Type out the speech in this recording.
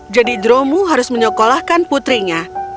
jadi dromu harus menyokolahkan putrinya